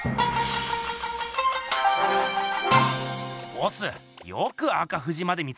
ボスよく赤富士まで見つけましたね。